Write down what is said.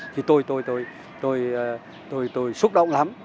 thì tôi tôi tôi tôi tôi tôi xúc động lắm